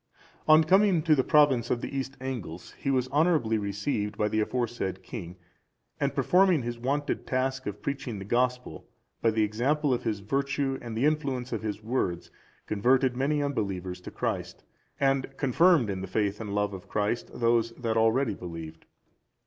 On coming into the province of the East Angles, he was honourably received by the aforesaid king, and performing his wonted task of preaching the Gospel, by the example of his virtue and the influence of his words, converted many unbelievers to Christ, and confirmed in the faith and love of Christ those that already believed.